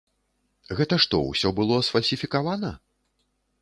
Гэта што, усё было сфальсіфікавана?